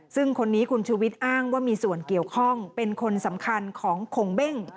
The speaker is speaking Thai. ซึ่งคนนี้คุณชุวิตอ้างว่ามีส่วนเกี่ยวข้องเป็นคนสำคัญของขงเบ้ง